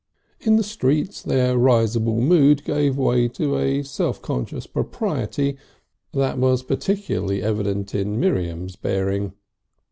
In the streets their risible mood gave way to a self conscious propriety that was particularly evident in Miriam's bearing.